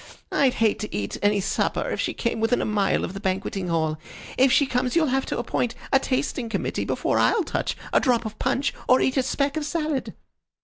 I'd hate to eat any supper if she came within a mile of the banqueting hall. If she comes you'll have to appoint a tasting committee before I'll touch a drop of punch or eat a speck of salad."